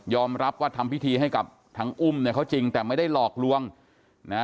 รับว่าทำพิธีให้กับทางอุ้มเนี่ยเขาจริงแต่ไม่ได้หลอกลวงนะ